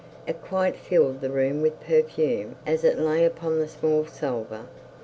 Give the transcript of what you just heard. It quite filled the room with perfume as it lay upon the small salver.